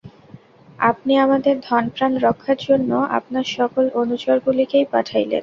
আপনি আমাদের ধন প্রাণ রক্ষার জন্য আপনার সকল অনুচরগুলিকেই পাঠাইলেন।